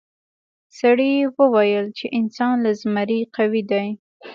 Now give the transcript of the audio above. سړي وویل چې انسان له زمري قوي دی.